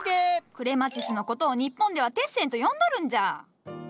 クレマチスの事を日本ではテッセンと呼んどるんじゃ！